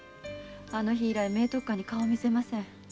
あの日以来明徳館に顔を見せません。